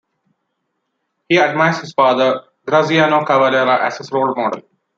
He admires his father Graziano Cavalera as his role model.